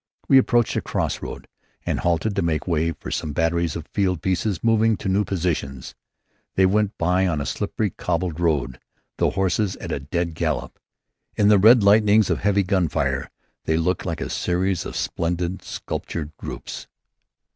We approached a crossroad and halted to make way for some batteries of field pieces moving to new positions. They went by on a slippery cobbled road, the horses at a dead gallop. In the red lightenings of heavy gun fire they looked like a series of splendid sculptured groups.